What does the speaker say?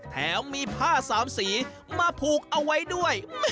แถมมีผ้าสามสีมาผูกเอาไว้ด้วย